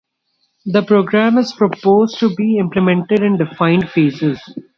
The program is proposed to be implemented in defined phases.